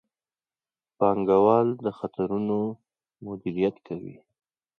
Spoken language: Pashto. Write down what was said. پانګوال د خطرونو مدیریت کوي.